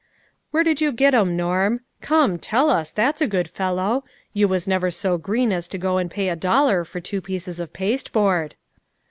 " Where did you get 'em, Norm ? Come, tell us, that's a good fellow. You was never so green as to go and pay a dollar for two pieces of pasteboard."